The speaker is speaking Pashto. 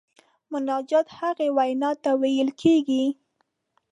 مناجات هغې وینا ته ویل کیږي.